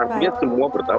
artinya semua bertahap